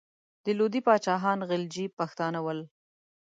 د لودي پاچاهان غلجي پښتانه ول.